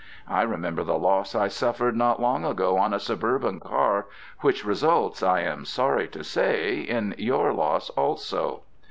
I remember the loss I suffered not long ago on a suburban car, which results, I am sorry to say, in your loss also.